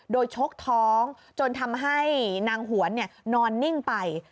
โดยชกท้องจนทำให้นางหวนนอนนิ่งไป